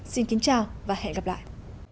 xin kính chào và hẹn gặp lại